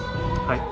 はい。